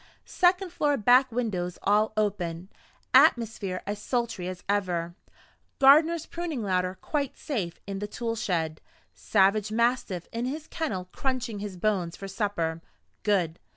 Second floor back windows all open, atmosphere as sultry as ever, gardener's pruning ladder quite safe in the tool shed, savage mastiff in his kennel crunching his bones for supper. Good.